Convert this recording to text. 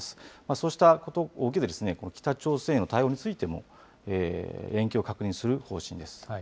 そうしたことを受けて、北朝鮮の対応についても連携を確認する方針です。